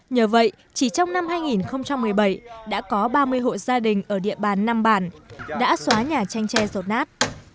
nhờ vậy chỉ trong năm hai nghìn một mươi bảy đã có ba mươi hộ gia đình ở địa bàn năm bản đã xóa nhà tranh tre rột nát